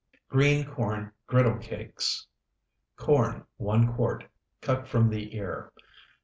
GREEN CORN GRIDDLE CAKES Corn, 1 quart, cut from the ear.